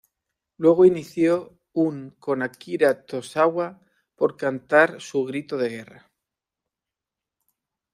Luego inició un con Akira Tozawa por cantar su grito de guerra.